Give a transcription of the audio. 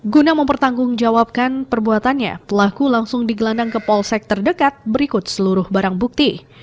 guna mempertanggungjawabkan perbuatannya pelaku langsung digelandang ke polsek terdekat berikut seluruh barang bukti